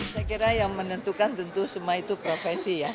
saya kira yang menentukan tentu semua itu profesi ya